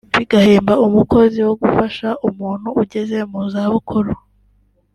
bigahemba umukozi wo gufasha umuntu ugeze mu zabukuru